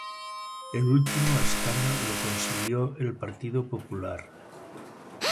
El último escaño lo consiguió el Partido Popular.